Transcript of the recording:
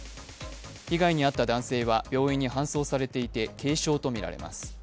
被害に遭った男性は病院に搬送されていて軽傷とみられます。